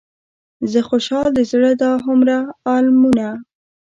زه خوشحال د زړه دا هومره المونه.